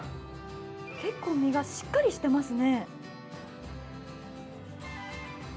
結構、身がしっかりしてますね。